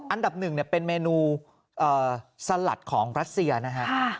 อันดับ๑เป็นเมนูสัลลัดของรัสเซียนะครับ